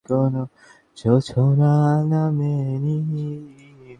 তখনো বৃষ্টি পড়ছিল, তবে কম।